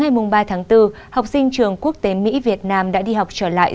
ngày ba tháng bốn học sinh trường quốc tế mỹ việt nam đã đi học trở lại